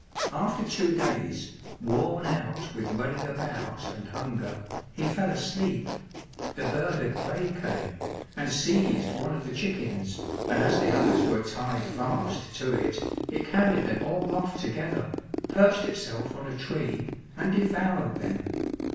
After two days, worn out with running about and hunger, he fell asleep; the bird of prey came, and seized one of the chickens, and as the others were tied fast to it, it carried them all off together, perched itself on a tree, and devoured them.